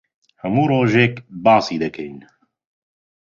هەموو ڕۆژێک باسی دەکەین.